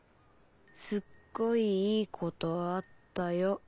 「すっごいいいことあったよ」。